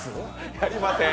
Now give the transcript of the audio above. やりません！